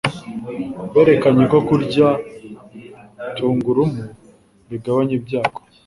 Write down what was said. berekanye ko kurya tungurumu bigabanya ibyago